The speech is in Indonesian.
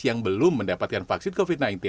yang belum mendapatkan vaksin covid sembilan belas